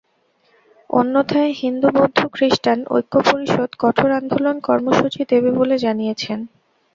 অন্যথায় হিন্দু বৌদ্ধ খ্রিষ্টান ঐক্য পরিষদ কঠোর আন্দোলন কর্মসূচি দেবে বলে জানিয়েছেন।